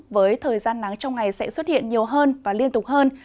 với thời gian nắng trong ngày sẽ xuất hiện nhiều hơn và liên tục hơn